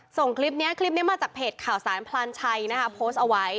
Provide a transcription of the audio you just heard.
ส่งคลิปนี้คลิปนี้มาจากเพจข่าวสารพลานชัยนะคะโพสต์เอาไว้